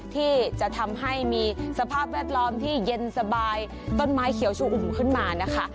ที่จะทำให้มีสภาพแวดล้อมที่เย็นสบายต้นไม้เขียวชูอุ่มขึ้นมานะคะ